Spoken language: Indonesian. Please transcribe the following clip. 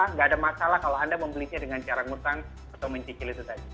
tidak ada masalah kalau anda membelinya dengan cara ngutang atau mencicil itu saja